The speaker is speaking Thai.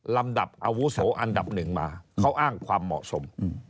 ลำดับอาวุโสอันดับหนึ่งมาเขาอ้างความเหมาะสม